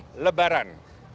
jakarta fair lebaran